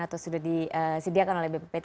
atau sudah disediakan oleh bppt